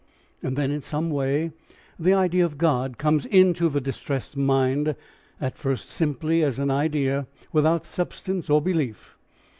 ... Then in some way the idea of God comes into the distressed mind, at first simply as an idea, without substance or belief.